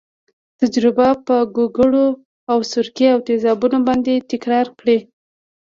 تجربه په ګوګړو او سرکې په تیزابونو باندې تکرار کړئ.